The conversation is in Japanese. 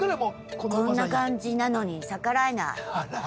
こんな感じなのにあらははは